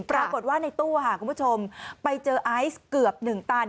ปรากฏว่าในตู้คุณผู้ชมไปเจอไอซ์เกือบ๑ตัน